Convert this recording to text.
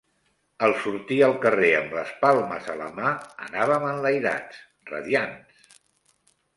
Al sortir al carrer amb les palmes a la mà, anàvem enlairats, radiants.